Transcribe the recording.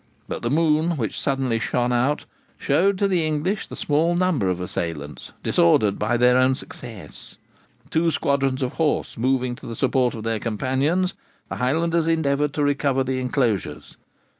But the moon, which suddenly shone out, showed to the English the small number of assailants, disordered by their own success. Two squadrons of horse moving to the support of their companions, the Highlanders endeavoured to recover the enclosures.